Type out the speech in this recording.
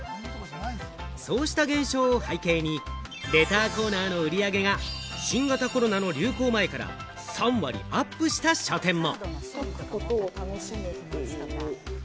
そうした現象を背景に、レターコーナーの売り上げが新型コロナの流行前から３割アップした書店も。